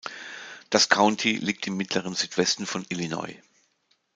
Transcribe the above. Das County liegt im mittleren Südwesten von Illinois.